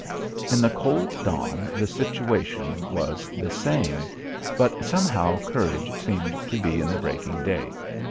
In the cold dawn the situation was the same, but somehow courage seemed to be in the breaking day.